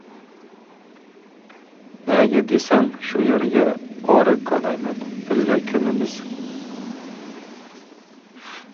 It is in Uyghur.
نەگە دېسەڭ شۇ يەرگە ئورەك كولايمەن، بىللە كۆمىمىز.